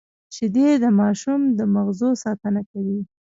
شیدې د ماشوم د مغزو ساتنه کوي